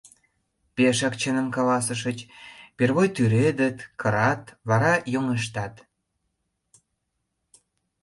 — Пешак чыным каласышыч: первой тӱредыт, кырат, вара йоҥыштат.